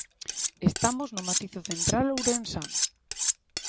Estamos no Macizo Central Ourensán.